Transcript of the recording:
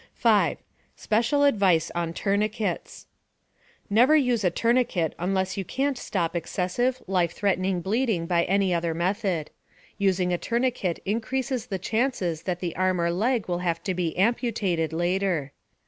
5. SPECIAL ADVICE ON TOURNIQUETS: Never use a tourniquet unless you cannot stop excessive, life threatening bleeding by any other method. Using a tourniquet increases the chances that the arm or leg will have to be amputated later.